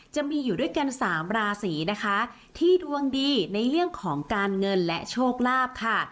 จะมีอยู่ด้วยกันสามราศีนะคะที่ดวงดีในเรื่องของการเงินและโชคลาภค่ะ